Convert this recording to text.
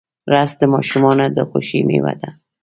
رس د ماشومانو د خوښۍ میوه ده